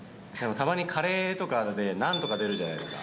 たまにカレーとかでナンが出るじゃないですか。